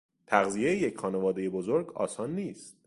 تغذیهی یک خانوادهی بزرگ آسان نیست.